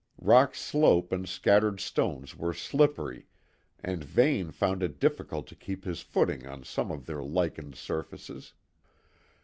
Rock slope and scattered stones were slippery, and Vane found it difficult to keep his footing on some of their lichened surfaces.